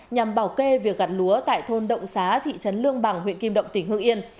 nhằm bảo kê việc gặt lúa tại thôn động xá thị trấn lương bằng huyện kim động tỉnh hương yên